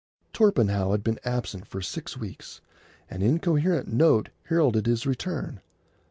Torpenhow had been absent for six weeks. An incoherent note heralded his return.